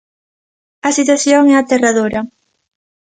A situación é aterradora.